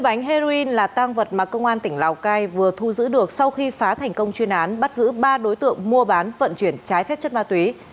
bốn mươi bánh heroin là tang vật mà công an tp lào cai vừa thu giữ được sau khi phá thành công chuyên án bắt giữ ba đối tượng mua bán vận chuyển trái phép chất ma túy